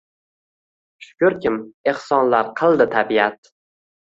Shukrkim, ehsonlar qildi tabiat